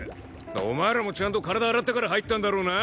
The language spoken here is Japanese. お前らもちゃんと体洗ってから入ったんだろうなあ？